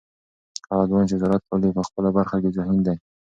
هغه ځوان چې زراعت لولي په خپله برخه کې ذهین دی.